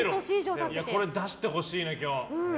これ、出してほしいな、今日。